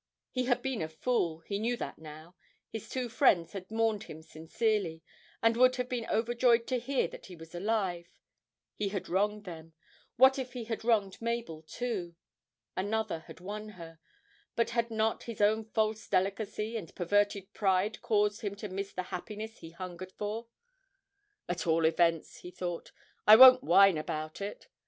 He had been a fool he knew that now his two friends had mourned him sincerely, and would have been overjoyed to hear that he was alive. He had wronged them what if he had wronged Mabel too? Another had won her, but had not his own false delicacy and perverted pride caused him to miss the happiness he hungered for? 'At all events,' he thought, 'I won't whine about it.